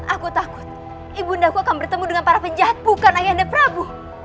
aku takut ibu ndaku akan bertemu dengan para penjahat bukan ayahnya prabu